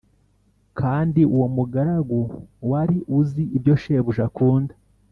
Kandi uwo mugaragu wari uzi ibyo shebuja akunda